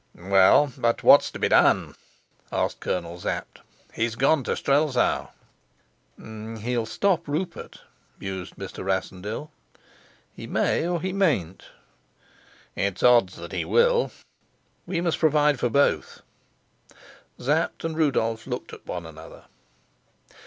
"Well, but what's to be done?" asked Colonel Sapt. "He's gone to Strelsau." "He'll stop Rupert," mused Mr. Rassendyll. "He may or he mayn't." "It's odds that he will." "We must provide for both." Sapt and Rudolf looked at one another.